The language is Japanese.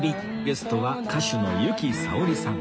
ゲストは歌手の由紀さおりさん